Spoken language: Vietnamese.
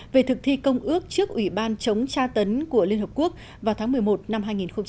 về thực thi công ước trước ủy ban chống tra tấn của liên hợp quốc vào tháng một mươi một năm hai nghìn một mươi chín